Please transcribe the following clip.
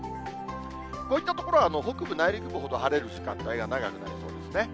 こういった所は北部、内陸部ほど晴れる時間帯が長くなりそうですね。